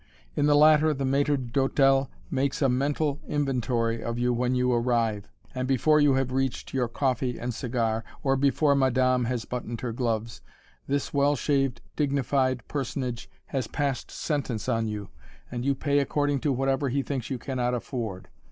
In the latter the maître d'hôtel makes a mental inventory of you when you arrive; and before you have reached your coffee and cigar, or before madame has buttoned her gloves, this well shaved, dignified personage has passed sentence on you, and you pay according to whatever he thinks you cannot afford.